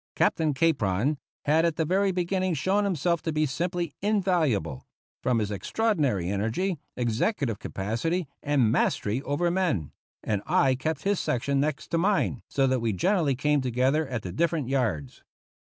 Captain Capron had at the very begin ning shown himself to be simply invaluable, from his extraordinary energy, executive capacity, and mastery over men ; and I kept his section next mine, so that we generally came together at the different yards.